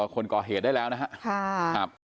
คนก่อเหตุได้แล้วนะครับ